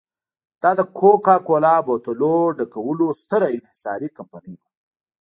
دا د کوکا کولا بوتلونو ډکولو ستره انحصاري کمپنۍ وه.